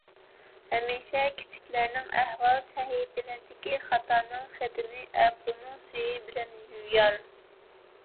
ھەمىشە كىچىكلەرنىڭ ئەھۋال سەھىپىلىرىدىكى خاتانىڭ خېتىنى ئەپۇنىڭ سۈيى بىلەن يۇيار.